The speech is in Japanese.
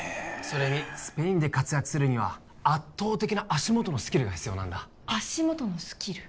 それにスペインで活躍するには圧倒的な足元のスキルが必要なんだ足元のスキル？